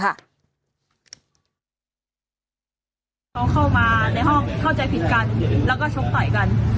เขาเข้ามาในห้องเข้าใจผิดกันแล้วก็ชกต่อยกัน